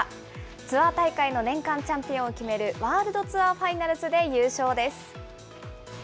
ツアー大会の年間チャンピオンを決めるワールドツアーファイナルズで優勝です。